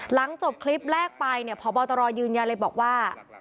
หลังจบคลิปแรกไปเนี่ยพบตรยืนยันเลยบอกว่า